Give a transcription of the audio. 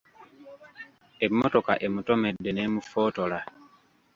Emmotoka emutomedde n'emufootola.